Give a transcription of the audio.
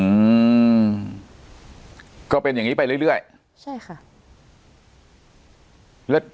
อืมก็เป็นอย่างนี้ไปเรื่อยใช่ครับ